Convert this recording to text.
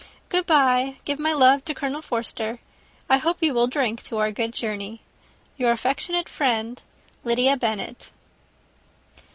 Good bye. Give my love to Colonel Forster. I hope you will drink to our good journey. "Your affectionate friend, "LYDIA BENNET."